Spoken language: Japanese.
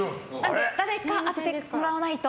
誰か当ててもらわないと。